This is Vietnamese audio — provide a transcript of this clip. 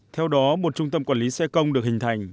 theo đó một trung tâm quản lý xe công được hình thành